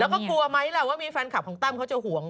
แล้วก็กลัวไหมล่ะว่ามีแฟนคลับของตั้มเขาจะห่วง